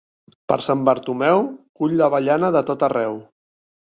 Per Sant Bartomeu, cull l'avellana de tot arreu.